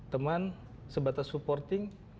teman sebatas supporting